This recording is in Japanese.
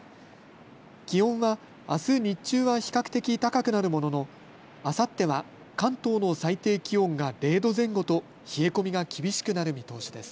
気温はあす日中は比較的高くなるものの、あさっては関東の最低気温が０度前後と冷え込みが厳しくなる見通しです。